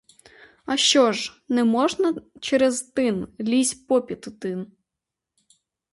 А що ж, не можна через тин, лізь попід тин.